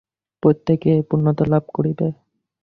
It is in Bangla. প্রত্যেকেই এই পূর্ণতা লাভ করিবে।